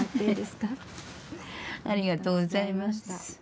ありがとうございます。